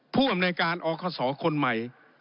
ผู้อำนวยการอคศคนใหม่